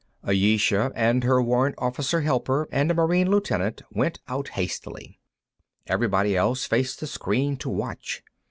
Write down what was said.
Ayesha and her warrant officer helper and a Marine lieutenant went out hastily. Everybody else faced the screen to watch.